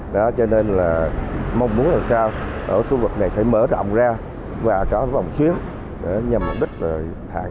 đó cho nên là mong muốn làm sao ở khu vực này phải mở rộng ra và có vòng chuyến nhằm mục đích hạn